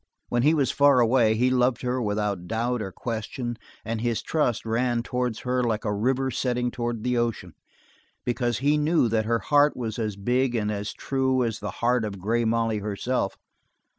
When he was far away he loved her without doubt or question and his trust ran towards her like a river setting towards the ocean because he knew that her heart was as big and as true as the heart of Grey Molly herself.